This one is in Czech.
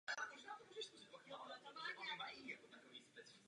Muzeum zabírá jedno křídlo Palais de Chaillot a sestává ze tří galerií.